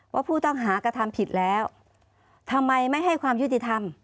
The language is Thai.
ว่าผู้ต้องหากระทำผิดแล้วทำไมไม่ให้ความยุติธรรม